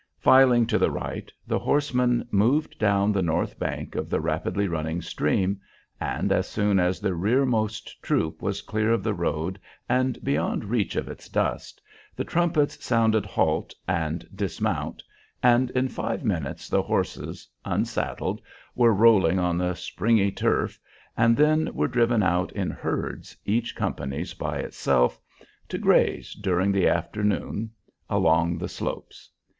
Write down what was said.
Filing to the right, the horsemen moved down the north bank of the rapidly running stream, and as soon as the rearmost troop was clear of the road and beyond reach of its dust, the trumpets sounded "halt" and "dismount," and in five minutes the horses, unsaddled, were rolling on the springy turf, and then were driven out in herds, each company's by itself, to graze during the afternoon along the slopes.